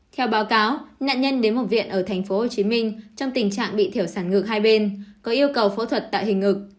theo báo cáo nạn nhân đến một viện ở tp hcm trong tình trạng bị thiểu sản ngực hai bên có yêu cầu phẫu thuật tạo hình ngực